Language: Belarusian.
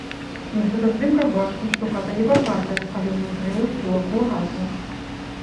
На фотаздымках бачна, што хата небагатая, але ўнутры ўсё акуратна.